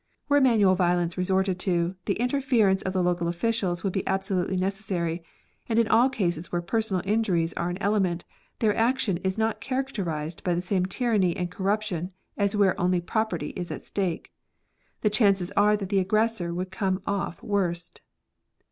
Were manual violence resorted to, the interference of the local officials would be absolutely necessary ; and in all cases where personal injuries are an element, their action is not characterised by the same tyranny and corruption as where only property is at stake. The chances are that the aororressor would come off worst.